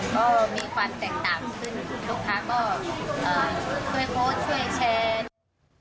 ก็มีความแตกต่างขึ้นลูกค้าก็ช่วยโพสต์ช่วยแชร์